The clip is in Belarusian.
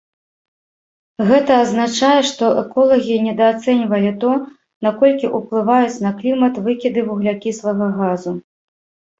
Гэта азначае, што эколагі недаацэньвалі то, наколькі ўплываюць на клімат выкіды вуглякіслага газу.